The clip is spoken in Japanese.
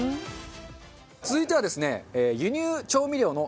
続いてはですね。